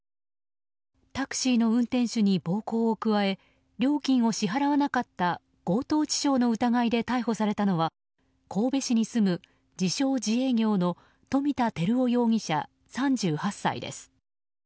タクシーの運転手に暴行を加え料金を支払わなかった強盗致傷の疑いで逮捕されたのは神戸市に住む自称自営業の富田照大容疑者、３８歳です。